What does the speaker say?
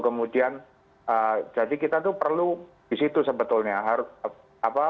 kemudian jadi kita itu perlu di situ sebetulnya